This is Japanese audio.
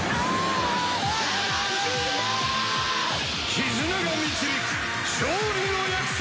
「絆が導く勝利の約束！